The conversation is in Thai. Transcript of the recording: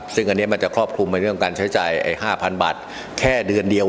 ซึ่งอันนี้มันจะครอบคลุมในเรื่องการใช้จ่าย๕๐๐บาทแค่เดือนเดียว